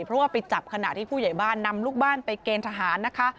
เพราะว่าไปจับขณะที่ผู้ใหญ่บ้านนำลูกบ้านไปเกณฑ์ทหารนะคะ